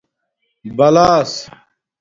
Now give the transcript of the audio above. بلاس